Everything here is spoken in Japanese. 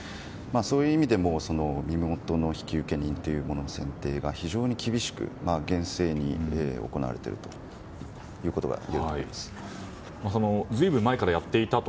そういう意味でも身元の引受人の選定が非常に厳しく厳正に行われているということが随分前からやっていたと。